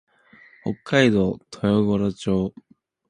北海道豊頃町